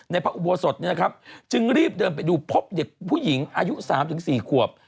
พระอุโบสถจึงรีบเดินไปดูพบเด็กผู้หญิงอายุ๓๔ขวบ